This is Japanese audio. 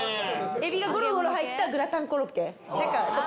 エビがごろごろ入ったグラタンコロッケ。